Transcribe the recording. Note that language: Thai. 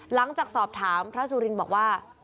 หลังจากสอบถามพระสุรินบอกว่า